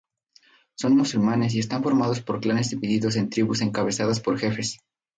Son musulmanes y están formados por clanes divididos en tribus encabezadas por jefes.